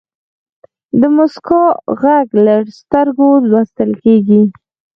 د موسکا ږغ له سترګو لوستل کېږي.